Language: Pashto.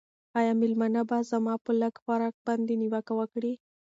آیا مېلمانه به زما په لږ خوراک باندې نیوکه وکړي؟